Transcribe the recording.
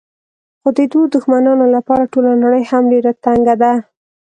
خو د دوو دښمنانو لپاره ټوله نړۍ هم ډېره تنګه ده.